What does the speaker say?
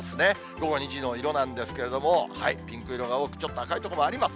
午後２時の色なんですけれども、ピンク色が多く、ちょっと赤い所もあります。